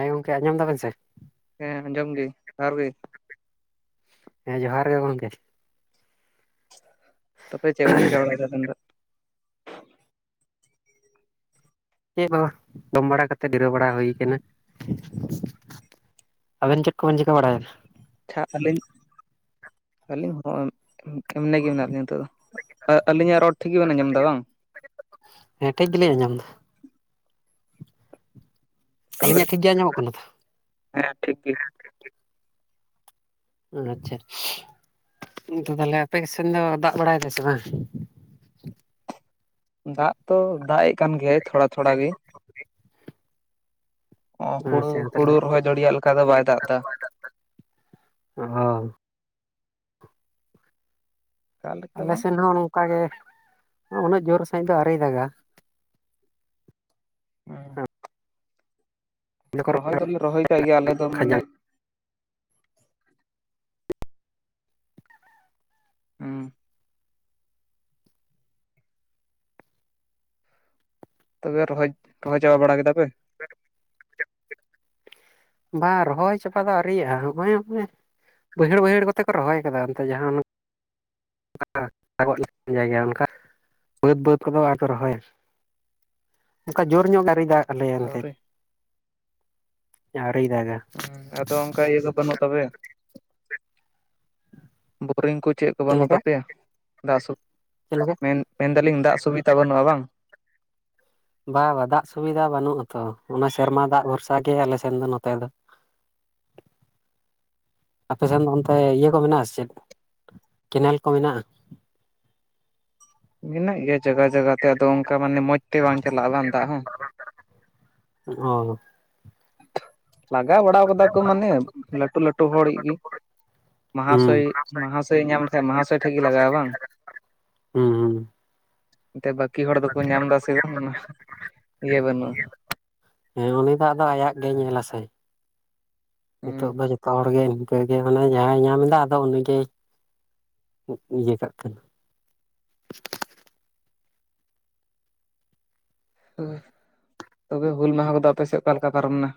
ᱦᱮᱸ ᱜᱚᱝᱠᱮ ᱟᱸᱢᱟᱢ ᱫᱟᱵᱮᱱ ᱥᱮ? ᱦᱮ ᱟᱸᱡᱚᱢ ᱜᱮ, ᱡᱚᱦᱟᱨ ᱜᱮ ᱾ ᱦᱮᱸ ᱡᱚᱦᱟᱨ ᱜᱮ ᱜᱚᱝᱠᱮ ᱾ ᱛᱚᱵᱮ ᱪᱮᱜ ᱵᱮᱱ ᱪᱮᱠᱟ [unintelligible] ᱫᱚ ᱪᱮ ᱵᱟᱝ, ᱡᱚᱢ ᱵᱟᱲᱟ ᱠᱟᱛᱮ ᱡᱤᱨᱟᱹᱣ ᱵᱟᱲᱟ ᱦᱩᱭ ᱠᱟᱱᱟ ᱾ [inaudible] ᱟᱵᱮᱱ ᱪᱮᱫ ᱠᱚ ᱵᱮᱱ ᱪᱤᱠᱟ ᱵᱟᱲᱟᱭᱟ? ᱪᱷᱟ ᱟᱹᱞᱤᱧ ᱟᱹᱞᱤᱧ ᱦᱚᱸᱼᱼ ᱮᱢᱱᱮᱜᱮ ᱢᱮᱱᱟᱜ ᱞᱤᱧᱟ ᱱᱤᱛᱚᱜ ᱫᱚ, ᱟᱹᱞᱤᱧᱟᱜ ᱨᱚᱲ ᱴᱷᱤᱠ ᱜᱮᱵᱮᱱ ᱟᱸᱡᱚᱢᱮᱫᱟ ᱵᱟᱝ? [unintelligible] ᱦᱮᱸ ᱴᱷᱤᱠ ᱜᱮᱞᱤᱝ ᱟᱸᱡᱚᱢ ᱮᱫᱼᱼ ᱛᱚᱵᱮ ᱟᱹᱞᱤᱧᱟᱜ ᱴᱷᱤᱠ ᱜᱮ ᱟᱸᱡᱚᱢᱚᱜ ᱠᱟᱱᱟ ᱛᱷᱚ? ᱦᱮᱸ ᱴᱷᱤᱠ ᱜᱤ ᱾ ᱦᱩᱸ ᱟᱪᱪᱷᱟ, ᱠᱤᱱᱛᱩ ᱛᱟᱦᱞᱮ ᱟᱯᱮ ᱠᱚ ᱥᱮᱱ ᱫᱚ ᱫᱟᱜ ᱵᱟᱲᱟᱭ ᱫᱟ ᱥᱮ ᱵᱟᱝ? ᱫᱟᱜ ᱛᱚ ᱫᱟᱜ ᱮᱜ ᱠᱟᱱ ᱜᱮᱭᱟᱭ ᱛᱷᱚᱲᱟ ᱛᱷᱚᱲᱟ ᱜᱮ ᱾ ᱚ ᱦᱩᱲᱩ, ᱟᱪᱪᱷᱟ ᱛᱟᱦᱚᱞᱮ ᱦᱩᱲᱩ ᱨᱚᱦᱚᱭ ᱡᱟᱹᱲᱤᱭᱟᱜ ᱞᱮᱠᱟ ᱫᱚ ᱵᱟᱭ ᱫᱟᱜ ᱮᱫᱟ ᱾ ᱚ ᱾ ᱚᱠᱟ ᱞᱮᱠᱟ ᱟᱞᱮ ᱵᱟᱝ ᱥᱮᱱ ᱦᱚᱸ ᱱᱚᱝᱠᱟ ᱜᱮ, ᱩᱱᱟᱹᱜ ᱡᱩᱨ ᱥᱟᱺᱦᱤᱡ ᱫᱚ ᱟᱹᱣᱨᱤᱭ ᱫᱟᱜᱟ ᱾ ᱦᱩᱸ ᱾ ᱨᱚᱦᱚᱭ ᱫᱚᱞᱮ ᱨᱚᱦᱚᱭ ᱠᱟᱜ ᱜᱮᱭᱟ ᱟᱞᱮ ᱫᱚ ᱢᱟᱱᱮᱼᱼ ᱠᱷᱟᱸᱡᱟᱝ ᱦᱩᱸ ᱛᱚᱵᱮ ᱨᱚᱦᱚᱭ, ᱨᱚᱦᱚᱭ ᱪᱟᱵᱟ ᱵᱟᱲᱟ ᱠᱮᱫᱟᱯᱮ? ᱵᱟᱝ ᱨᱚᱦᱚᱭ ᱪᱟᱵᱟ ᱫᱚ ᱟᱹᱣᱨᱤᱭᱟᱜᱼᱟ, ᱦᱚᱸᱜᱼᱚᱭ ᱵᱟᱹᱭᱦᱟᱹᱲ ᱵᱟᱹᱭᱦᱟᱹᱲ ᱠᱚᱛᱮ ᱠᱚ ᱨᱚᱦᱚᱭ ᱟᱠᱟᱫᱟ ᱚᱱᱛᱮ ᱡᱟᱦᱟᱸ ᱚᱱᱟᱼᱼ [unintelligible] ᱚᱜ ᱞᱮᱠᱟᱱ ᱡᱟᱭᱜᱟ ᱚᱱᱠᱟ, ᱵᱟᱹᱫᱽ ᱵᱟᱹᱫᱽ ᱠᱚᱫᱚ ᱟᱨ ᱠᱚ ᱨᱚᱦᱚᱭᱟ ᱾ ᱚᱱᱠᱟ ᱡᱳᱨ ᱧᱚᱜ ᱜᱮ ᱟᱹᱣᱨᱤ ᱫᱟᱜ ᱟᱞᱮᱭᱟ ᱮᱱᱛᱮ, ᱟᱹᱣᱨᱤ ᱟᱹᱣᱨᱤᱭ ᱫᱟᱜᱟ ᱾ ᱩᱸ ᱟᱫᱚ ᱚᱱᱠᱟ ᱤᱭᱟᱹ ᱫᱚ ᱵᱟᱹᱱᱩᱜ ᱛᱟᱵᱮᱱ, ᱵᱳᱨᱤᱝ ᱠᱩ ᱪᱮᱫᱼᱼ ᱪᱮᱫ ᱵᱟᱹᱱᱩᱜ ᱞᱮᱠᱟ ᱛᱟᱯᱮᱭᱟ ᱫᱟᱜ ᱥᱩ, ᱪᱮᱫ ᱞᱮᱠᱟ ᱢᱮᱱᱫᱟ ᱞᱤᱧ ᱫᱟᱜ ᱥᱩᱵᱤᱫᱟ ᱵᱟᱹᱱᱩᱜᱼᱟ ᱵᱟᱝ? ᱵᱟᱝ ᱵᱟᱝ ᱫᱟᱜ ᱥᱩᱵᱤᱫᱷᱟ ᱵᱟᱹᱱᱩᱜ ᱟᱛᱚ, ᱚᱱᱟ ᱥᱮᱨᱢᱟ ᱫᱟᱜ ᱵᱷᱚᱨᱥᱟ ᱜᱮ ᱟᱞᱮᱥᱮᱱ ᱫᱚ ᱱᱚᱛᱮ ᱫᱚ ᱾ [inaudible] ᱟᱯᱮᱥᱮᱱ ᱫᱚ ᱚᱱᱛᱮ ᱤᱭᱟᱹ ᱠᱚ ᱢᱮᱱᱟᱜᱼᱟ ᱥᱮ ᱪᱮᱫ ᱠᱮᱱᱮᱞ ᱠᱚ ᱢᱮᱱᱟᱜᱼᱟ? ᱢᱮᱱᱟᱜ ᱜᱮᱭᱟ ᱡᱚᱜᱚᱦ ᱡᱚᱜᱚᱦ ᱛᱮ ᱟᱫᱚ ᱚᱝᱠᱟ ᱢᱟᱱᱮ ᱢᱚᱸᱡᱽ ᱛᱮ ᱵᱟᱝ ᱪᱟᱞᱟᱜᱼᱟ ᱵᱟᱝ ᱫᱟᱜ ᱦᱚᱸ ᱾ ᱚ ᱾ ᱞᱟᱜᱟᱣ ᱵᱟᱲᱟᱣ ᱠᱟᱫᱟ ᱠᱚ ᱢᱟᱱᱮ ᱞᱟᱴᱩ-ᱞᱟᱴᱩ ᱦᱚᱲᱤᱡ ᱜᱤ᱾ ᱢᱟᱦᱟᱥᱚᱭ, ᱦᱩᱸ ᱢᱟᱦᱟᱥᱚᱭ ᱧᱟᱢ ᱞᱮᱠᱷᱟᱡ ᱢᱟᱦᱟᱥᱚᱭ ᱴᱷᱮᱡ ᱜᱮ ᱞᱟᱜᱟᱜᱼᱟ ᱵᱟᱝ? ᱦᱩᱸ ᱦᱩᱸ ᱛᱮ ᱵᱟᱠᱤ ᱦᱚᱲ ᱫᱚ ᱠᱚ ᱧᱟᱢᱫᱟ ᱥᱮᱵᱟᱝ ᱚᱱᱟᱦ ᱤᱭᱟᱹ ᱵᱟᱹᱱᱩᱜᱼᱟ᱾ ᱮᱸ ᱩᱱᱤᱫᱚ ᱟᱫᱚ ᱟᱭᱟᱜ ᱜᱮᱭ ᱧᱮᱞᱟ ᱥᱮ ᱱᱤᱛᱚᱜ ᱦᱩᱸ ᱫᱚ ᱡᱚ- -ᱛᱚ ᱦᱚᱲ ᱜᱮ ᱤᱱᱠᱟᱹᱜᱮ ᱢᱟᱱᱮ ᱡᱟᱦᱟᱸᱭ ᱧᱟᱢᱫᱟ, ᱟᱫᱚ ᱩᱱᱤᱜᱮᱭ ᱩᱸᱜ ᱤᱭᱟᱹ ᱠᱟᱜ ᱠᱟᱱᱟ᱾ ᱩᱸᱦ ᱛᱚᱵᱮ 'ᱦᱩᱞ ᱢᱟᱦᱟᱸ' ᱠᱚᱫᱚ ᱟᱯᱮᱥᱮᱜ ᱚᱠᱟᱞᱮ ᱞᱮᱠᱟ ᱯᱟᱨᱚᱢᱱᱟ?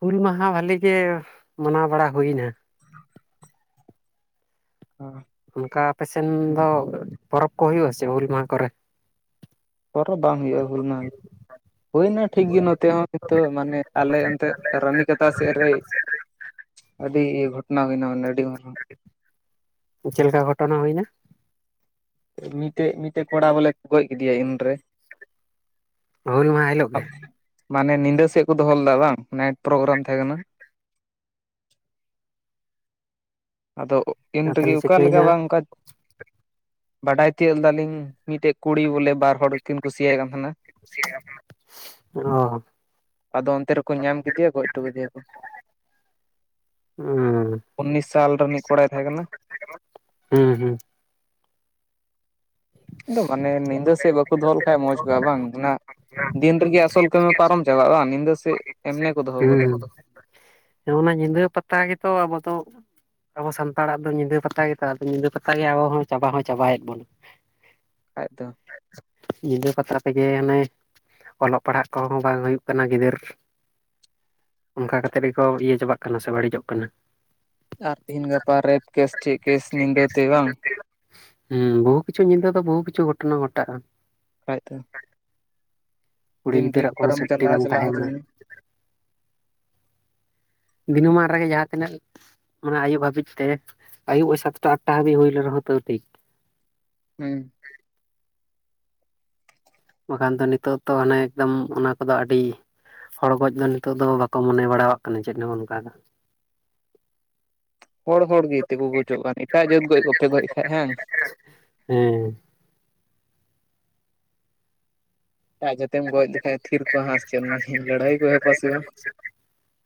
'ᱦᱩᱞ ᱢᱟᱦᱟᱸ' ᱵᱷᱟᱞᱮᱹ ᱜᱮ ᱢᱟᱱᱟᱣ ᱵᱟᱲᱟ ᱦᱩᱭᱱᱟ᱾ ᱦᱚᱸ᱾ ᱚᱱᱠᱟ ᱟᱯᱮᱥᱮᱱ ᱫᱚ ᱯᱚᱨᱚᱵᱽ ᱠᱚ ᱦᱩᱭᱩᱜᱼᱟ ᱥᱮ 'ᱦᱩᱞ ᱢᱟᱦᱟ' ᱠᱚᱨᱮ? ᱯᱚᱨᱚ ᱵᱟᱝ ᱦᱩᱭᱩᱜᱼᱟ 'ᱦᱩᱞ ᱢᱟᱦᱟ' ᱦᱩᱭᱱᱟ ᱴᱷᱤᱠ ᱜᱤ ᱱᱚᱛᱮ ᱦᱚᱸ ᱱᱤᱛᱚᱜ ᱢᱟᱱᱮ ᱟᱞᱮ ᱮᱱᱛᱮ ᱨᱟᱱᱤᱠᱟᱛᱟ ᱥᱮᱜ ᱨᱮ᱾ ᱟᱰᱤ ᱜᱷᱚᱴᱱᱟ ᱦᱩᱭᱱᱟ ᱣᱟᱱᱮ ᱟᱰᱤ ᱢᱟᱨᱟᱝ᱾ ᱪᱮᱜ ᱞᱮᱠᱟ ᱜᱷᱚᱴᱚᱱᱟ ᱦᱩᱭᱱᱟ? ᱢᱤᱴᱮᱜ-ᱢᱤᱴᱮᱜ ᱠᱚᱲᱟ ᱵᱚᱞᱮ ᱠᱚ ᱜᱚᱡ ᱠᱮᱫᱮᱭᱟ ᱤᱱᱨᱮ᱾ 'ᱦᱩᱞ ᱢᱟᱦᱟᱭᱮᱡ' ᱟᱵ ᱢᱟᱱᱮ ᱱᱤᱫᱟᱹ ᱥᱮᱜ ᱠᱚ ᱫᱚᱦᱚᱞᱫᱟ ᱵᱟᱝ ᱱᱟᱭᱤᱜ ᱯᱨᱳᱜᱨᱟᱢ ᱛᱷᱮ ᱠᱟᱱᱟ᱾ ᱟᱫᱚᱜ ᱤᱱ ᱨᱮᱜᱮ ᱛᱟᱦᱚᱞᱮ ᱚᱠᱟ ᱞᱮᱠᱟ ᱪᱤᱠᱟᱹᱭᱮᱱᱟ ᱵᱟᱝ ᱚᱠᱟ ᱵᱟᱰᱟᱭ ᱛᱤᱭᱟᱹᱜ ᱫᱟᱞᱤᱧ ᱢᱤᱴᱮᱜ ᱠᱩᱲᱤ ᱵᱚᱞᱮ ᱵᱟᱨ ᱦᱚᱲ ᱠᱤᱱ ᱠᱩᱥᱤᱭᱟᱭ ᱠᱟᱱ ᱛᱷᱮᱱᱟ᱾ [inaudible] ᱚ᱾ ᱟᱫᱚ ᱚᱱᱛᱮ ᱨᱮᱠᱚ ᱧᱟᱢ ᱠᱮᱫᱮᱭᱟ ᱜᱚᱡ ᱴᱚ ᱠᱟᱫᱮᱭᱟᱠᱚ᱾ ᱦᱩᱸ ᱩᱱᱱᱤᱥ ᱥᱟᱞ ᱨᱤᱱᱤᱡ ᱠᱚᱲᱟᱭ ᱛᱷᱮᱸ ᱠᱟᱱᱟ᱾ [inaudible] ᱦᱩᱸ-ᱦᱩᱸ᱾ ᱤᱸᱫᱚ ᱢᱟᱱᱮ ᱱᱤᱫᱟᱹ ᱥᱮᱜ ᱵᱟᱠᱚ ᱫᱚᱦᱚ ᱞᱮᱠᱷᱟᱡ ᱢᱚᱸᱡᱽ ᱠᱚᱜᱼᱟ ᱵᱟᱝ ᱦᱚᱱᱟ ᱫᱤᱱ ᱨᱮᱜᱮ ᱟᱥᱚᱞ ᱠᱟᱢᱤᱢ ᱯᱟᱨᱚᱢ ᱪᱟᱟᱜᱼᱟ ᱵᱟᱱ ᱱᱤᱫᱟᱹ ᱥᱮᱜ [inaudible] ᱦᱟᱺ ᱚᱱᱟ ᱧᱤᱫᱟᱹ ᱯᱟᱛᱟ ᱜᱮᱛᱚ ᱟᱵᱚ ᱫᱚ ᱟᱵᱚ ᱥᱟᱱᱛᱟᱲᱟᱜ ᱫᱚ ᱧᱤᱫᱟᱹ ᱯᱟᱛᱟ ᱜᱮᱛᱚ, ᱟᱫᱚ ᱧᱤᱫᱟᱹ ᱯᱟᱛᱟ ᱜᱮ ᱟᱵᱚ ᱦᱚᱸ ᱪᱟᱵᱟ ᱦᱚᱸ ᱪᱟᱵᱟᱭᱮᱜ ᱵᱚᱱᱟ᱾ [unintelligible] ᱟᱡ ᱫᱚ᱾ ᱧᱤᱫᱟᱹ ᱯᱟᱛᱟ ᱛᱮᱜᱮ ᱚᱱᱮ ᱚᱞᱚᱜ ᱯᱟᱲᱦᱟᱜ ᱠᱚᱦᱚᱸ ᱵᱟᱝ ᱦᱩᱭᱩᱜ ᱠᱟᱱᱟ, ᱜᱤᱫᱟᱹᱨ ᱚᱝᱠᱟ ᱠᱟᱛᱮᱫ ᱜᱮᱠᱚ ᱤᱭᱟᱹ ᱪᱟᱵᱟᱜ ᱠᱟᱱᱟ ᱥᱮ ᱵᱟᱲᱤᱡᱚᱜ ᱠᱟᱱᱟ᱾ ᱟᱨ ᱛᱤᱦᱤᱱ ᱜᱟᱯᱟ ᱨᱮᱯ ᱠᱮᱥ, ᱴᱷᱤ ᱠᱮᱥ ᱱᱤᱫᱟᱹᱛᱮ ᱵᱟᱝ! ᱦᱩᱸ, ᱵᱩᱦᱩ ᱠᱤᱪᱷᱩ ᱧᱤᱫᱟᱹ ᱫᱚ, ᱵᱩᱦᱩ ᱠᱤᱪᱷᱩ ᱜᱷᱚᱴᱱᱟ ᱜᱷᱚᱴᱟᱜᱼᱟ᱾ ᱟᱡ ᱫᱚ᱾ ᱠᱩᱲᱤ ᱫᱤᱱ ᱨᱮᱜᱮ ᱜᱤᱫᱟᱹᱨᱟᱜ ᱠᱚᱱᱚ ᱟᱨᱚᱢ ᱥᱮᱴᱴᱤ ᱪᱟᱞᱟᱣ ᱵᱟᱝ ᱪᱟᱞᱟᱣ ᱦᱤᱡᱩᱜ ᱛᱟᱸᱦᱮᱞᱱᱟ᱾ ᱢᱮ ᱫᱤᱱᱚᱢᱟᱱ ᱨᱮᱜᱮ ᱡᱟᱦᱟᱸ ᱛᱤᱱᱟᱹᱜ ᱚᱱᱟ ᱟᱭᱩᱵ ᱦᱟᱵᱤᱡ ᱛᱮ ᱟᱭᱩᱵ ᱳᱭ ᱥᱟᱛᱴᱟ, ᱟᱴᱴᱟ ᱦᱟᱵᱤᱡ ᱦᱩᱭ ᱞᱮᱱ ᱨᱮᱦᱚᱸ ᱛᱟᱹᱣ ᱴᱷᱤᱠ᱾ ᱦᱩᱸ᱾ ᱵᱟᱠᱟᱱ ᱛᱚ ᱱᱤᱛᱚᱜ ᱛᱚ ᱦᱟᱱᱮ ᱮᱠᱫᱚᱢ ᱚᱱᱟ ᱠᱚᱫᱚ ᱟᱰᱤ ᱦᱚᱲ ᱜᱚᱡ ᱫᱚ, ᱱᱤᱛᱚᱜ ᱫᱚ ᱵᱟᱠᱚ ᱢᱚᱱᱮ ᱵᱟᱲᱟᱣᱟᱜ ᱠᱟᱱᱟ ᱪᱮᱫ ᱦᱚᱸ ᱚᱱᱠᱟ ᱫᱚ᱾ [unintelligible] ᱦᱚᱲ-ᱦᱚᱲ ᱜᱮ ᱛᱮᱹ ᱠᱚ ᱜᱚᱡᱚᱜ ᱠᱟᱱ ᱮᱴᱟᱜ ᱡᱟᱹᱛ ᱜᱚᱡ ᱠᱚᱯᱮ, ᱜᱚᱡ ᱠᱷᱟᱡ ᱦᱟᱝ? [inaudible] ᱦᱮᱸ᱾ ᱮᱴᱟᱜ ᱡᱟᱛᱮᱢ ᱜᱚᱡ ᱞᱮᱠᱷᱟᱡ ᱛᱷᱤᱨ ᱠᱚᱶᱟ ᱦᱟᱸᱜ ᱥᱮᱪᱮᱜ ᱩᱱᱤ ᱞᱟᱹᱲᱦᱟᱹᱭ ᱠᱚ ᱮᱦᱚᱯᱟ ᱥᱮ ᱵᱟᱝ᱾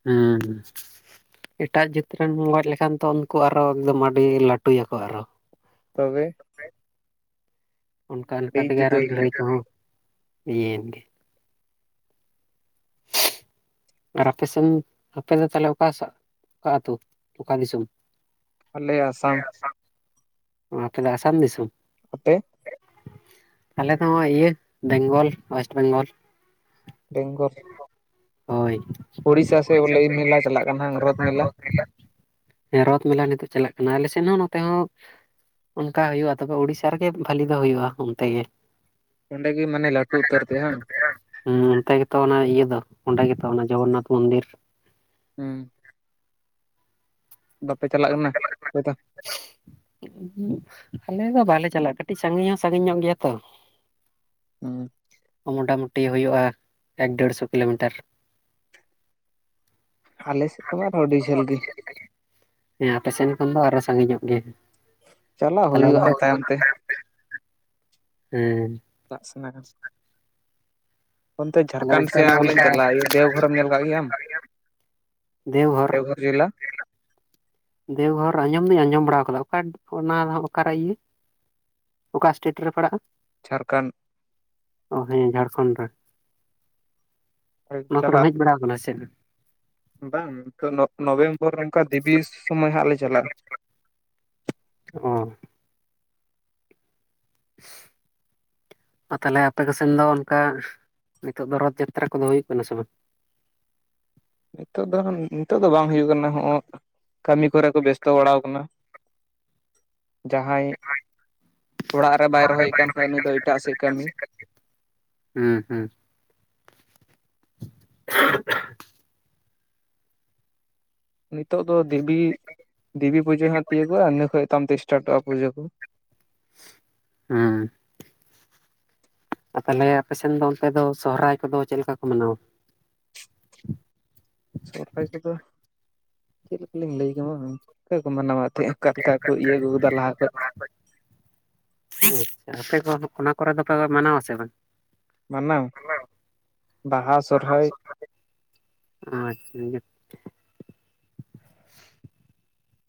ᱦᱩᱸ-ᱦᱩᱸ᱾ ᱮᱴᱟᱜ ᱡᱟᱹᱛ ᱨᱮᱱ ᱜᱚᱡ ᱞᱮᱠᱷᱟᱱ ᱛᱚ ᱩᱱᱠᱩ ᱟᱨᱚ ᱮᱠᱫᱚᱢ ᱟᱹᱰᱤ ᱞᱟᱹᱴᱩ ᱭᱟᱠᱚ ᱟᱨᱚ᱾ ᱛᱚᱵᱮ᱾ ᱚᱱᱠᱟ ᱚᱱᱠᱟ ᱟᱹᱰᱤ ᱛᱮᱜᱮ ᱟᱨᱚ ᱡᱩᱫᱟᱹ ᱞᱟᱹᱲᱦᱟᱹᱭ ᱦᱩᱭᱩᱜᱼᱟ ᱠᱚᱦᱚᱸ ᱤᱭᱟᱹᱭᱮᱱ ᱜᱮ᱾ ᱟᱨ ᱟᱯᱮ ᱥᱮᱱ ᱟᱯᱮ ᱫᱚ ᱛᱟᱦᱞᱮ ᱚᱠᱟ ᱥᱟᱜ ᱚᱠᱟ ᱟᱛᱩ ᱚᱠᱟ ᱫᱤᱥᱚᱢ? ᱟᱞᱮ ᱟᱥᱟᱢ᱾ ᱚ ᱟᱯᱮ ᱫᱚ ᱟᱥᱟᱢ ᱫᱤᱥᱚᱢ? ᱟᱯᱮ ᱟᱞᱮ ᱫᱚ ᱤᱭᱟᱹ ᱵᱮᱝᱜᱚᱞ ᱚᱭᱮᱥᱴ ᱵᱮᱝᱜᱚᱞ᱾ ᱵᱮᱝᱜᱚᱞ᱾ ᱦᱳᱭ᱾ ᱩᱲᱤᱥᱟ ᱥᱮᱫ ᱵᱚᱞᱮ ᱢᱮᱞᱟ ᱪᱟᱞᱟᱜ ᱠᱟᱱᱟ ᱨᱚᱛᱷ ᱢᱮᱞᱟ᱾ ᱮ ᱨᱚᱛᱷ ᱢᱮᱞᱟ ᱱᱤᱛᱳᱜ ᱪᱟᱞᱟᱜ ᱠᱟᱱᱟ ᱟᱞᱮ ᱥᱮᱱ ᱦᱚᱸ ᱱᱚᱛᱮ ᱦᱚᱸ ᱚᱱᱠᱟ ᱦᱩᱭᱩᱜ-ᱟ ᱛᱚᱵᱮ ᱳᱲᱤᱥᱥᱟ ᱨᱮᱜᱮ ᱵᱷᱟᱞᱤ ᱫᱚ ᱦᱩᱭᱩᱜ-ᱟ ᱚᱱᱛᱮ ᱜᱮ᱾ ᱚᱸᱰᱮ ᱜᱮ [unintelligible] ᱢᱟᱱᱮ ᱞᱟᱹᱴᱩ ᱩᱛᱟᱹᱨ ᱛᱮ ᱵᱟᱝ ᱦᱩᱸ ᱚᱱᱛᱮ ᱜᱮᱛᱚ ᱚᱱᱟ ᱤᱭᱟᱹ ᱫᱚ ᱚᱸᱰᱮ ᱜᱮᱛᱚ ᱚᱱᱟ ᱡᱚᱜᱚᱱᱱᱟᱛᱷ ᱢᱚᱱᱫᱤᱨ᱾ ᱦᱩᱸ ᱵᱟᱯᱮ ᱪᱟᱞᱟᱜ ᱠᱟᱱᱟ ᱟᱯᱮ ᱫᱚ? ᱟᱞᱮ ᱫᱚ ᱵᱟᱞᱮ ᱪᱟᱞᱟᱜ-ᱟ ᱠᱟᱹᱴᱤᱡ ᱥᱟᱹᱜᱤᱧ ᱦᱚᱸ ᱥᱟᱹᱜᱤᱧ ᱧᱚᱜ ᱜᱮᱭᱟ ᱛᱚ᱾ ᱩᱸ ᱢᱚᱴᱟᱢᱩᱴᱤ ᱦᱩᱭᱩᱜ-ᱟ ᱮᱠ ᱰᱮᱲᱥᱚ ᱠᱤᱞᱳᱢᱤᱴᱟᱨ᱾ ᱟᱞᱮᱥᱮᱫᱚ ᱛᱚᱢᱟ ᱟᱨᱚ ᱟᱸᱰᱤ ᱡᱷᱟᱹᱞ ᱜᱤ᱾ ᱦᱮᱸ ᱟᱯᱮ ᱥᱮᱱ ᱠᱷᱚᱱ ᱫᱚ ᱟᱨᱦᱚ ᱥᱟᱺᱜᱤᱧᱚᱜ ᱜᱮᱭᱟ᱾ ᱪᱟᱞᱟᱜ ᱦᱩᱭᱩᱜᱟ ᱦᱟᱸᱜ ᱛᱟᱭᱚᱢ ᱛᱮ᱾ ᱦᱮᱸ ᱪᱟᱞᱟᱜ ᱥᱟᱱᱟ ᱚᱱᱛᱮ ᱛᱟᱦᱚᱞᱮ ᱡᱷᱟᱲᱠᱷᱚᱱᱰ ᱚᱱᱛᱮ ᱫᱚ ᱥᱮᱫ ᱵᱚᱞᱮᱧ ᱚᱱᱠᱟ ᱪᱟᱞᱟᱜᱲ-ᱟ ᱫᱮᱣᱜᱷᱚᱨᱮᱢ ᱧᱮᱞ ᱠᱟᱜ ᱜᱮᱭᱟᱢ ᱫᱮᱣᱜᱷᱚᱨ? ᱨᱮᱞᱟ ᱫᱮᱣᱜᱷᱚᱨ ᱟᱸᱡᱚᱢ ᱫᱩᱧ ᱟᱸᱡᱚᱢ ᱵᱟᱲᱟᱣ ᱠᱟᱫᱟ ᱚᱠᱟ ᱚᱱᱟ ᱚᱠᱟᱨᱮ ᱤᱭᱟᱹ? ᱚᱠᱟ ᱥᱴᱮᱴ ᱨᱮ ᱯᱟᱲᱟᱜ-ᱟ? ᱡᱷᱟᱨᱠᱷᱟᱱ᱾ ᱚ ᱦᱮᱸ ᱡᱷᱟᱲᱠᱷᱚᱸᱰ ᱨᱮ᱾ ᱚᱱᱟ ᱠᱚᱨᱮᱢ ᱪᱟᱞᱟᱜ ᱦᱮᱡ ᱵᱟᱲᱟ ᱠᱟᱱᱟ ᱥᱮᱪᱮᱫ? ᱵᱟᱝ ᱛᱚ ᱱᱚᱜ ᱱᱚᱵᱷᱮᱢᱵᱚᱨ ᱚᱝᱠᱟ ᱫᱤᱵᱤ ᱥᱚᱢᱚᱭ ᱦᱟᱸᱜ ᱞᱮ ᱪᱟᱞᱟᱜ-ᱟ᱾ ᱚ [inaudible] ᱟ ᱛᱟᱦᱚᱞᱮ ᱟᱯᱮ ᱠᱚ ᱥᱮᱱ ᱫᱚ ᱚᱱᱠᱟ ᱱᱤᱛᱳᱜ ᱫᱚ ᱨᱚᱛᱷ ᱡᱟᱛᱛᱨᱟ ᱠᱚᱫᱚ ᱦᱩᱭᱩᱜ ᱠᱟᱱᱟ ᱥᱮ ᱵᱟᱝ? ᱱᱤᱛᱳᱜ ᱫᱚ ᱱᱤᱛᱳᱜ ᱫᱚ ᱵᱟᱝ ᱦᱩᱭᱩᱜ ᱠᱟᱱᱟ ᱦᱟᱸᱜ ᱠᱟᱹᱢᱤ ᱠᱚᱨᱮ ᱠᱚ ᱵᱮᱥᱛᱚ ᱵᱟᱲᱟᱣ ᱠᱟᱱᱟ᱾ ᱡᱟᱦᱟᱸᱭ ᱚᱲᱟᱜ ᱨᱮ ᱵᱟᱭ ᱨᱚᱦᱚᱭᱮᱫ ᱠᱟᱱ ᱠᱷᱟᱸᱡ ᱩᱱᱤ ᱫᱚ ᱮᱴᱟᱜ ᱥᱮᱡ ᱠᱟᱹᱢᱤ, ᱦᱩᱸ ᱦᱩᱸ [unintelligible] ᱱᱤᱛᱳᱜ ᱫᱚ ᱫᱤᱵᱤ ᱫᱮᱵᱤ ᱯᱩᱡᱟᱹ ᱦᱟᱸᱜ ᱛᱤᱭᱟᱹᱜᱚᱜ-ᱟ ᱤᱱᱟᱹ ᱠᱷᱚᱡ ᱛᱟᱭᱚᱢ ᱛᱮ ᱥᱴᱟᱴᱚᱜ-ᱟ ᱯᱩᱡᱟᱹ ᱠᱩ᱾ ᱦᱮᱸ ᱟ ᱛᱟᱦᱞᱮ ᱟᱯᱮᱥᱮᱱ ᱫᱚ ᱚᱱᱛᱮ ᱫᱚ ᱥᱚᱦᱨᱟᱭ ᱠᱚᱫᱚ ᱪᱮᱫ ᱞᱮᱠᱟ ᱠᱚ ᱢᱟᱱᱟᱣᱟ? ᱥᱚᱦᱚᱨᱟᱭ ᱠᱚᱫᱚ ᱪᱮᱫ ᱞᱮᱠᱟᱞᱤᱧ ᱞᱟᱹᱭ ᱠᱮᱢᱟ? ᱠᱟ ᱜᱮᱠᱚ ᱢᱟᱱᱟᱣᱟ ᱮᱫ ᱛᱮᱦᱮᱡ ᱠᱟ ᱞᱮᱠᱟ ᱠᱚ ᱤᱭᱟᱹ ᱟᱹᱜᱩᱟᱠᱟᱫᱟ ᱞᱟᱦᱟ ᱠᱷᱚᱡ᱾ ᱟᱪᱪᱷᱟ ᱟᱯᱮ ᱠᱚᱦᱚᱸ ᱚᱱᱟ ᱠᱚᱨᱮ ᱫᱚᱯᱮ ᱢᱟᱱᱟᱣᱟ ᱥᱮ ᱵᱟᱝ? ᱢᱟᱱᱟᱣ ᱵᱟᱦᱟ ᱵᱟᱦᱟ ᱥᱚᱨᱦᱟᱭ ᱥᱚᱦᱨᱟᱭ ᱟᱪᱪᱷᱟ [unintelligible]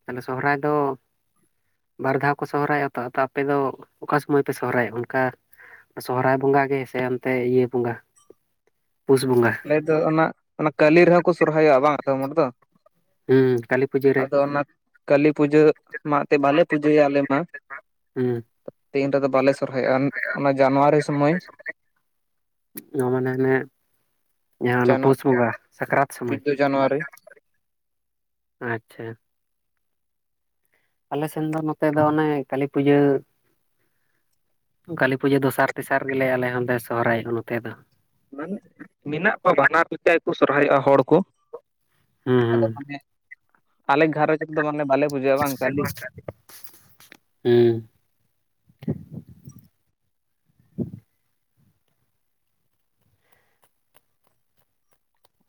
ᱛᱟᱦᱚᱞᱮ ᱥᱚᱨᱦᱟᱭ ᱫᱚ ᱵᱟᱨ ᱫᱷᱟᱣ ᱠᱚ ᱥᱚᱦᱨᱟᱭᱚᱜᱼᱟ ᱛᱚ ᱟᱯᱮ ᱫᱚ ᱚᱠᱟ ᱥᱚᱢᱚᱭ ᱯᱮ ᱥᱚᱦᱨᱟᱭᱚᱜ ᱚᱱᱠᱟ ᱥᱚᱦᱨᱟᱭ ᱵᱚᱸᱜᱟ ᱜᱮ ᱥᱮ ᱚᱱᱛᱮ ᱤᱭᱟᱹ ᱵᱚᱸᱜᱟ ᱯᱩᱥ ᱵᱚᱸᱜᱟ ᱟᱞᱮ ᱫᱚ ᱚᱱᱟ ᱚᱱᱟ ᱠᱟᱹᱞᱤ ᱨᱮᱦᱚᱸ ᱠᱚ ᱥᱚᱨᱦᱟᱭᱚᱜᱼᱟ ᱵᱟᱝ ᱟᱫᱚᱢ ᱦᱚᱲ ᱫᱚ ᱦᱩᱸ ᱠᱟᱹᱞᱤ ᱯᱩᱡᱟᱹ ᱨᱮ ᱟᱫᱚ ᱚᱱᱟ ᱠᱟᱹᱞᱤ ᱯᱩᱡᱟᱹ ᱢᱟ ᱮᱱᱛᱮᱜ ᱵᱟᱞᱮ ᱯᱩᱡᱟᱹᱭᱟ ᱟᱞᱮ ᱢᱟ ᱦᱮᱸ ᱫᱤᱱ ᱨᱮᱫᱚ ᱵᱟᱞᱮ ᱥᱚᱨᱦᱟᱭᱚᱜᱼᱟ ᱚᱱᱟ ᱡᱟᱱᱩᱣᱟᱨᱤ ᱥᱚᱢᱚᱭ ᱱᱚᱣᱟ ᱢᱟᱱᱮ ᱦᱮᱱᱮᱜ ᱡᱟᱦᱟᱸ ᱚᱱᱟ ᱡᱟᱱᱩᱣᱟᱨ ᱯᱩᱥ ᱵᱚᱸᱜᱟ ᱥᱟᱠᱨᱟᱛ ᱥᱚᱢᱚᱭ ᱪᱳᱫᱫᱳ ᱡᱟᱱᱩᱣᱟᱨᱤ ᱟᱪᱪᱷᱟ ᱟᱞᱮ ᱥᱮᱱ ᱫᱚ ᱱᱚᱛᱮ ᱫᱚ ᱚᱱᱮ ᱠᱟᱹᱞᱤ ᱯᱩᱡᱟᱹ ᱠᱟᱹᱞᱤ ᱯᱩᱡᱟᱹ ᱫᱚᱥᱟᱨ ᱛᱮᱥᱟᱨ ᱜᱮᱞᱮ ᱟᱞᱮ ᱦᱚᱸᱞᱮ ᱥᱚᱦᱨᱟᱭᱚᱜᱼᱟ ᱱᱚᱛᱮ ᱫᱚ ᱢᱟᱱᱮ ᱢᱮᱱᱟᱜ ᱠᱚᱣᱟ ᱵᱟᱱᱟᱨ ᱞᱮᱠᱟ ᱜᱮᱠᱚ ᱥᱚᱨᱦᱟᱭᱚᱜᱼᱟ ᱦᱚᱲ ᱠᱚ ᱦᱩᱸ ᱟᱫᱚ ᱦᱩᱸ ᱢᱟᱱᱮ ᱟᱞᱮ ᱜᱷᱟᱨᱚᱸᱡᱽ ᱨᱮᱫᱚ ᱢᱟᱱᱮ ᱵᱟᱞᱮ ᱯᱩᱡᱟᱹᱣᱟ ᱵᱟᱝ ᱠᱟᱹᱞᱤ ᱦᱮᱸ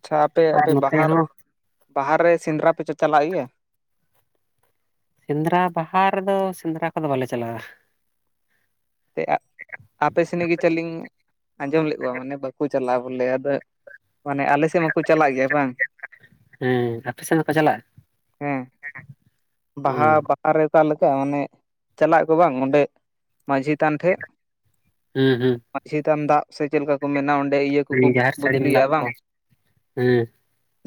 ᱟᱪᱪᱷᱟ ᱟᱯᱮ ᱟᱨ ᱟᱯᱮ ᱱᱚᱛᱮ ᱵᱟᱦᱟᱨ ᱦᱚᱸ ᱵᱟᱦᱟᱨ ᱨᱮ ᱥᱮᱸᱫᱽᱨᱟ ᱯᱮ ᱪᱟ ᱪᱟᱞᱟᱜ ᱜᱮᱭᱟ ᱥᱮᱸᱫᱽᱨᱟ ᱵᱟᱦᱟ ᱨᱮᱫᱚ ᱥᱮᱸᱫᱽᱨᱟ ᱠᱚᱫᱚ ᱵᱟᱞᱮ ᱪᱟᱞᱟᱜᱼᱟ᱾ [unintelligible] ᱟᱯᱮ ᱥᱮᱱ ᱜᱮ ᱪᱚᱞ ᱞᱤᱧ ᱟᱸᱡᱚᱢ ᱞᱮᱫ ᱠᱚᱣᱟ ᱢᱟᱱᱮ ᱵᱟᱠᱚ ᱪᱟᱞᱟᱜᱼᱟ ᱵᱚᱞᱮ ᱟᱫᱚ ᱢᱟᱱᱮ ᱟᱞᱮ ᱥᱮᱫ ᱢᱟᱠᱚ ᱪᱟᱞᱟᱜ ᱜᱮᱭᱟ ᱵᱟᱝ ᱦᱮᱸ ᱟᱯᱮ ᱥᱮᱱ ᱫᱚᱠᱚ ᱪᱟᱞᱟᱜᱼᱟ ᱦᱮᱸ ᱚ ᱵᱟᱦᱟ ᱯᱟᱛᱟ ᱨᱮ ᱫᱚ ᱟᱞᱮ ᱥᱮᱫ ᱫᱚ ᱚᱱᱮ ᱪᱟᱞᱟᱜ ᱠᱚ ᱵᱟᱝ ᱚᱸᱰᱮ ᱢᱟᱺᱡᱷᱤ ᱛᱷᱟᱱ ᱴᱷᱮᱜ ᱦᱩᱸ ᱦᱩᱸ ᱢᱟᱺᱡᱷᱤ ᱛᱷᱟᱱ ᱫᱟᱜ ᱥᱮ ᱪᱮᱫ ᱞᱮᱠᱟ ᱠᱚ ᱢᱮᱱᱟ ᱚᱸᱰᱮ ᱤᱭᱟᱹ ᱠᱚᱠᱚ ᱡᱟᱦᱮᱨ ᱥᱟᱹᱲᱤᱢ ᱵᱚᱫᱞᱤᱭᱟ ᱫᱟᱵ ᱵᱟᱝ? ᱠᱚ ᱦᱩᱸ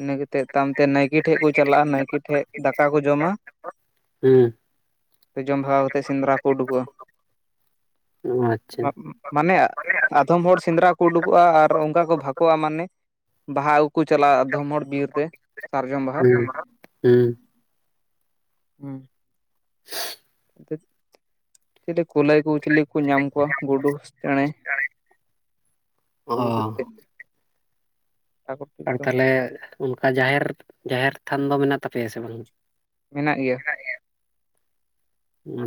ᱤᱱᱟᱹ ᱠᱟᱛᱮᱫ ᱛᱟᱭᱚᱢ ᱛᱮ ᱱᱟᱭᱠᱮ ᱴᱷᱮᱜ ᱠᱚ ᱪᱟᱞᱟᱜᱼᱟ ᱱᱟᱭᱠᱮ ᱴᱷᱮᱜ ᱫᱟᱠᱟ ᱠᱚ ᱡᱚᱢᱟ ᱦᱮᱸ ᱼᱼ ᱡᱚᱢ ᱵᱷᱟᱜᱟᱣ ᱠᱟᱛᱮᱜ ᱥᱮᱸᱫᱽᱨᱟ ᱠᱚ ᱩᱰᱩᱠᱚᱜᱼᱟ᱾ ᱚ ᱟᱪᱪᱷᱟ [unintelligible] ᱢᱟᱱᱮ ᱟᱫᱷᱚᱢ ᱦᱚᱲ ᱥᱮᱸᱫᱽᱨᱟ ᱠᱚ ᱩᱰᱩᱠᱚᱜᱼᱟ ᱟᱨ ᱚᱱᱠᱟ ᱠᱚ ᱵᱷᱟᱠᱚᱜᱼᱟ ᱢᱟᱱᱮ? ᱵᱟᱦᱟ ᱟᱹᱜᱩ ᱠᱚ ᱪᱟᱞᱟᱜᱼᱟ ᱟᱫᱷᱚᱢ ᱦᱚᱲ ᱵᱤᱨ ᱛᱮ ᱥᱟᱨᱡᱚᱢ ᱵᱟᱦᱟ ᱦᱩᱸ ᱦᱩᱸ ᱼᱼ ᱦᱩᱸ ᱾ [inaudible] ᱛᱮᱫ ᱪᱮᱞᱮ ᱠᱩᱞᱟᱹᱭ ᱠᱚ ᱪᱤᱞᱤ ᱠᱚ ᱧᱟᱢ ᱠᱚᱣᱟ ᱜᱩᱰᱩ ᱪᱮᱬᱮ ᱟᱹᱜᱩ ᱚ ᱠᱟᱛᱮᱜ ᱟᱨ ᱛᱟᱞᱦᱮ ᱚᱱᱠᱟ ᱡᱟᱦᱮᱨ ᱡᱟᱦᱮᱨ ᱛᱷᱟᱱ ᱫᱚ ᱢᱮᱱᱟᱜ ᱛᱟᱯᱮᱭᱟ ᱥᱮ ᱵᱟᱝ? ᱢᱮᱱᱟᱜ ᱜᱮᱭᱟ ᱾ ᱢᱮᱱᱟᱜ ᱜᱮᱭᱟ ᱾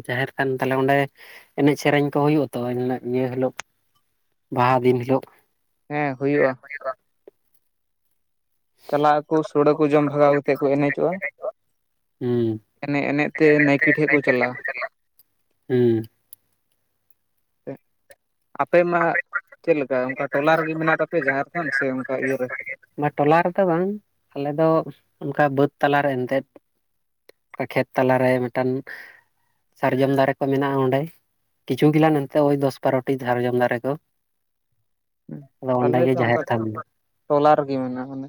ᱡᱟᱦᱮᱨ ᱛᱷᱟᱱ ᱛᱟᱞᱦᱮ ᱚᱸᱰᱮ ᱮᱱᱮᱡ ᱥᱮᱨᱮᱧ ᱠᱚ ᱦᱩᱭᱩᱜᱼᱟ ᱛᱚ ᱤᱱ ᱦᱤᱞᱚᱜ ᱢᱮᱭᱟᱝ ᱦᱤᱞᱚᱜ ᱵᱟᱦᱟ ᱫᱤᱱ ᱦᱤᱞᱚᱜ ᱦᱮᱸ ᱦᱩᱭᱩᱜᱼᱟ ᱾ ᱪᱟᱞᱟᱜ ᱟᱠᱚ ᱥᱚᱲᱮ ᱠᱚ ᱡᱚᱢ ᱵᱷᱟᱜᱟᱣ ᱠᱟᱛᱮᱜ ᱠᱚ ᱮᱱᱮᱡᱚᱜᱼᱟ ᱾ ᱦᱩᱸ ᱮᱱᱮᱡ ᱮᱱᱮᱡ ᱛᱮ ᱱᱟᱭᱠᱮ ᱴᱷᱮᱜ ᱠᱚ ᱪᱟᱞᱟᱜᱼᱟ ᱾ ᱦᱩᱸ ᱾ ᱯᱮ ᱟᱯᱮ ᱢᱟᱦᱟᱸᱜ ᱪᱮᱫ ᱞᱮᱠᱟ ᱚᱝᱠᱟ ᱴᱚᱞᱟ ᱨᱤᱜᱤ ᱢᱮᱱᱟᱜ ᱛᱟᱯᱮ ᱡᱟᱦᱮᱨ ᱛᱷᱟᱱ ᱥᱮ ᱚᱝᱠᱟ ᱤᱭᱟᱹ ᱨᱮ ᱵᱟ ᱴᱚᱞᱟ ᱨᱮᱫᱚ ᱵᱟᱝ ᱟᱞᱮ ᱫᱚ ᱚᱱᱠᱟ ᱵᱟᱹᱫᱽ ᱛᱟᱞᱟ ᱨᱮ ᱮᱱᱛᱮᱫ ᱠᱷᱮᱛ ᱛᱟᱞᱟ ᱨᱮ ᱢᱤᱫᱴᱟᱝ ᱼᱼ ᱥᱟᱨᱡᱚᱢ ᱫᱟᱨᱮ ᱠᱚ ᱢᱮᱱᱟᱜᱼᱟ ᱚᱸᱰᱮ ᱠᱤᱪᱷᱩ ᱜᱤᱞᱟᱝ ᱱᱟᱱᱛᱮ ᱳᱭ ᱫᱚᱥ ᱵᱟᱨᱚᱴᱤ ᱥᱟᱨᱡᱚᱢ ᱫᱟᱨᱮ ᱠᱚ ᱾ [inaudible] ᱟᱞᱮ ᱫᱚ ᱚᱱᱠᱟ ᱴᱚᱞᱟ ᱨᱮᱜᱮ ᱢᱮᱱᱟᱜᱼᱟ, ᱢᱟᱱᱮ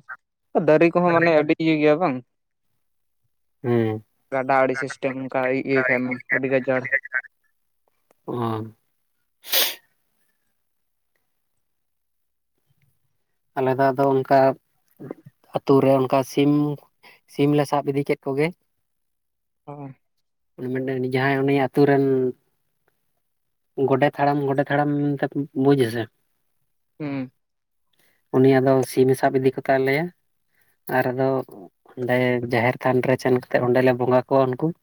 ᱫᱟᱨᱮ ᱠᱚᱦᱚᱸ ᱢᱟᱱᱮ ᱟᱹᱰᱤ ᱼᱼ ᱤᱭᱟᱹ ᱜᱤᱭᱟ ᱵᱟᱝ ᱾ ᱦᱮᱸ ᱜᱟᱰᱟ ᱟᱹᱲᱤ ᱥᱤᱥᱴᱮᱢ ᱱᱩᱝᱠᱟ ᱟᱭ ᱤᱭᱟᱹᱭ [unintelligible] ᱮᱢ ᱟᱹᱰᱤ ᱜᱟᱡᱟᱲ ᱾ ᱚ ᱾ ᱟᱞᱮ ᱫᱚ ᱟᱫᱚ ᱚᱱᱠᱟ ᱟᱹᱛᱩ ᱨᱮ ᱚᱱᱠᱟ ᱥᱤᱢ ᱼᱼ ᱥᱤᱢ ᱞᱮ ᱥᱟᱵ ᱤᱫᱤ ᱠᱮᱫ ᱠᱚ ᱜᱮ ᱾ ᱚ ᱼᱼ [unintelligible] ᱡᱟᱦᱟᱸᱭ ᱩᱱᱤ ᱟᱹᱛᱩ ᱨᱮᱱ ᱼᱼ ᱜᱚᱰᱮᱛ ᱦᱟᱲᱟᱢ ᱜᱚᱰᱮᱛ ᱦᱟᱲᱟᱢ ᱠᱟᱛᱩᱢ ᱵᱩᱡᱟ ᱥᱮ? ᱦᱩᱸ ᱼᱼ ᱩᱱᱤ ᱟᱫᱚ ᱥᱤᱢ-ᱮ ᱥᱟᱵ ᱤᱫᱤ ᱠᱚ ᱛᱟᱞᱮᱭ-ᱟ ᱾ ᱟᱨ ᱟᱫᱚ ᱚᱸᱰᱮ ᱡᱟᱦᱮᱨ ᱛᱷᱟᱱ ᱨᱮ ᱥᱮᱱ ᱠᱟᱛᱮᱜ ᱚᱸᱰᱮ ᱞᱮ ᱵᱚᱸᱜᱟ ᱠᱚ ᱩᱱᱠᱩ ᱾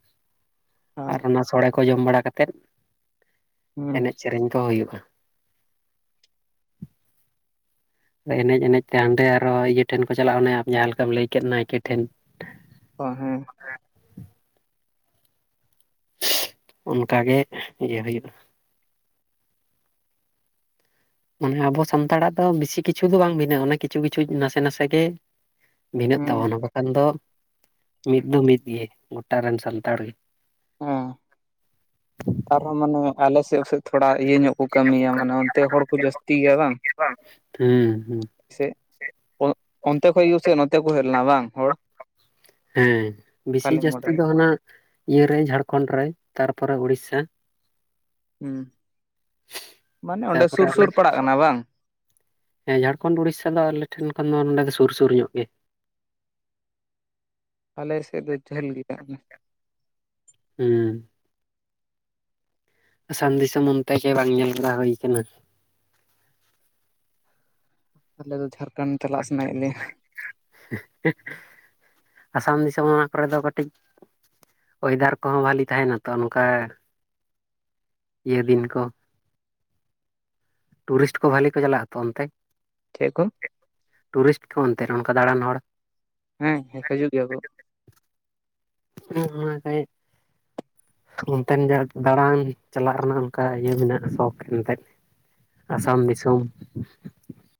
ᱟᱨ ᱚᱱᱟ ᱥᱚᱲᱮ ᱠᱚ ᱡᱚᱢ ᱵᱟᱲᱟ ᱠᱟᱛᱮᱫ ᱦᱩᱸ ᱮᱱᱮᱡ ᱥᱮᱨᱮᱧ ᱠᱚ ᱦᱩᱭᱩᱜᱼᱟ ᱾ ᱮᱱᱮᱡ ᱮᱱᱮᱡ ᱛᱮ ᱦᱟᱸᱰᱮ ᱟᱨᱚ ᱤᱭᱟᱹ ᱴᱷᱮᱱ ᱠᱚ ᱪᱟᱞᱟᱜ-ᱟ ᱚᱱᱮ ᱟᱢ ᱡᱟᱦᱟᱸ ᱞᱮᱠᱟᱢ ᱞᱟᱹᱭ ᱠᱮᱫ ᱱᱟᱭᱠᱮ ᱴᱷᱮᱱ ᱾ ᱚ ᱦᱮᱸ ᱾ ᱚᱱᱠᱟ ᱜᱮ ᱤᱭᱟᱹ ᱦᱩᱭᱩᱜᱼᱟ ᱾ ᱢᱟᱱᱮ ᱟᱵᱚ ᱥᱟᱱᱛᱟᱲᱟᱜ ᱫᱚ ᱵᱤᱥᱤ ᱠᱤᱪᱷᱩ ᱫᱚ ᱵᱟᱝ ᱵᱷᱤᱱᱟᱜ ᱚᱱᱮ ᱠᱤᱪᱷᱩ ᱠᱤᱪᱷᱩ ᱱᱟᱥᱮ ᱱᱟᱥᱮ ᱜᱮ ᱼᱼ ᱵᱷᱤᱱᱟᱜ ᱦᱩᱸ ᱛᱟᱵᱚᱱᱟ ᱵᱟᱠᱷᱟᱱ ᱫᱚ ᱢᱤᱫ ᱫᱚ ᱢᱤᱫ ᱜᱮ ᱜᱚᱴᱟ ᱨᱮᱱ ᱥᱟᱱᱛᱟᱲ ᱜᱮ ᱾ ᱚ ᱼᱼ ᱟᱨᱦᱚᱸ ᱢᱟᱱᱮ ᱟᱞᱮ ᱥᱮᱜ ᱛᱷᱚ ᱛᱷᱚᱲᱟ ᱤᱭᱟᱹ ᱧᱚᱜ ᱠᱚ ᱠᱟᱹᱢᱤᱭᱟ, ᱢᱟᱱᱮ ᱚᱱᱛᱮ ᱦᱚᱲ ᱠᱚ ᱡᱟᱹᱥᱛᱤ ᱜᱮᱭᱟ ᱵᱟᱝ? ᱵᱟᱝ ᱦᱮᱸ ᱦᱮᱸ [inaudible] ᱥᱮᱜ ᱚ ᱚᱱᱛᱮ ᱠᱷᱚᱱ ᱜᱮᱥᱮ ᱱᱚᱛᱮ ᱠᱷᱚᱱ ᱦᱮᱡ ᱞᱮᱱᱟ ᱵᱟᱝ ᱦᱚᱲ। ᱦᱮᱸ ᱵᱤᱥᱤ ᱠᱟᱞᱤᱝ ᱜᱚᱰ ᱡᱟᱹᱥᱛᱤ ᱨᱮ ᱫᱚ ᱦᱟᱱᱟ ᱤᱭᱟᱹ ᱨᱮ ᱡᱷᱟᱲᱠᱷᱚᱸᱱᱰ ᱨᱮ ᱛᱟᱨᱯᱚᱨᱮ ᱩᱲᱤᱥᱥᱟ᱾ ᱦᱩᱸ ᱢᱟᱱᱮ ᱚᱸᱰᱮ ᱛᱟᱯᱚᱨᱮ ᱥᱩᱨ ᱟᱞᱮ ᱥᱩᱨ ᱯᱟᱲᱟᱜ ᱠᱟᱱᱟ ᱵᱟᱝ? ᱦᱮᱸ ᱡᱷᱟᱲᱠᱷᱚᱸᱱᱰ ᱩᱲᱤᱥᱥᱟ ᱫᱚ ᱟᱞᱮ ᱴᱷᱮᱱ ᱠᱷᱚᱱ ᱫᱚ ᱱᱚᱸᱰᱮ ᱫᱚ ᱥᱩᱨ ᱥᱩᱨ ᱧᱚᱜ ᱜᱮ᱾ ᱟᱞᱮ ᱥᱮᱫ ᱫᱚ ᱡᱷᱟᱹᱞ ᱜᱮᱭᱟ ᱚᱱᱮ᱾ ᱦᱩᱸ ᱟᱥᱟᱢ ᱫᱤᱥᱚᱢ ᱚᱱᱛᱮ ᱜᱮ ᱵᱟᱝ ᱧᱮᱞ ᱵᱟᱲᱟ ᱦᱩᱭ ᱟᱠᱟᱱᱟ᱾ ᱟᱞᱮ ᱫᱚ ᱡᱷᱟᱲᱠᱷᱚᱸᱱᱰ ᱪᱟᱞᱟᱜ ᱥᱟᱱᱟᱭ ᱮᱫ ᱞᱮᱭᱟ᱾ [inaudible] ᱟᱥᱟᱢ ᱫᱤᱥᱚᱢ ᱚᱱᱟ ᱠᱚ ᱨᱮ ᱫᱚ ᱠᱟᱹᱴᱤᱡ ᱚᱭᱮᱫᱟᱨ ᱠᱚᱦᱚᱸ ᱵᱟᱹᱞᱤ ᱛᱟᱦᱮᱱᱟ ᱛᱚ ᱱᱚᱱᱠᱟ ᱤᱭᱟᱹ ᱫᱤᱱ ᱠᱚ ᱴᱩᱨᱤᱥᱴ ᱠᱚ ᱵᱷᱟᱹᱞᱤ ᱠᱚ ᱪᱟᱞᱟᱜ-ᱟᱛᱚ ᱚᱱᱛᱮ? ᱴᱷᱮᱜ ᱠᱚᱼᱼ ᱴᱩᱨᱤᱥᱴ ᱠᱚ ᱚᱱᱛᱮ ᱚᱱᱠᱟ ᱫᱟᱬᱟᱱ ᱦᱚᱲ ᱦᱮᱸ ᱦᱮ ᱦᱤᱡᱩᱜ ᱜᱮᱭᱟ ᱠᱚ᱾ [unintelligible] ᱚᱱᱛᱮ ᱡᱟ ᱫᱟᱬᱟᱱ ᱪᱟᱞᱟᱜ ᱨᱮᱱᱟᱜ ᱚᱱᱠᱟ ᱤᱭᱟᱹ ᱢᱮᱱᱟᱜ-ᱟ ᱥᱚᱠ ᱮᱱ ᱛᱮᱫ᱾ ᱟᱥᱟᱢ ᱫᱤᱥᱚᱢ